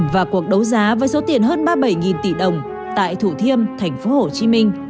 và cuộc đấu giá với số tiền hơn ba mươi bảy tỷ đồng tại thủ thiêm tp hcm